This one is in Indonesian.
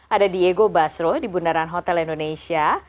ada diego basro di bundaran hotel indonesia